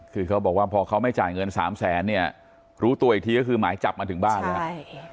คือเขาบอกว่าพอเขาไม่จ่ายเงินสามแสนเนี่ยรู้ตัวอีกทีก็คือหมายจับมาถึงบ้านแล้วใช่